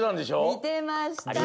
みてました。